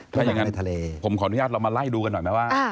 ถ้าอย่างนั้นในทะเลผมขออนุญาตเรามาไล่ดูกันหน่อยไหมว่า